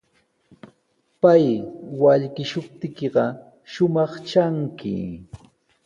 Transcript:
Pay wallkishuptiykiqa shumaq tranki.